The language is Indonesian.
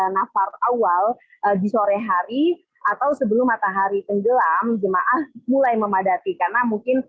nafar awal di sore hari atau sebelum matahari tenggelam jemaah mulai memadati karena mungkin